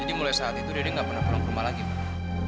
jadi mulai saat itu riri gak pernah pulang ke rumah lagi mbak